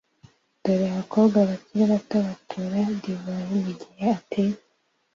Dore abakobwa bakiri bato batora divayi mugihe atetse